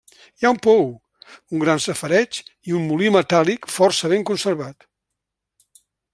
Hi ha un pou, un gran safareig i un molí metàl·lic força ben conservat.